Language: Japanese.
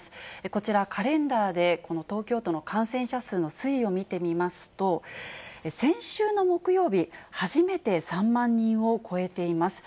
こちら、カレンダーでこの東京都の感染者数の推移を見てみますと、先週の木曜日、初めて３万人を超えています。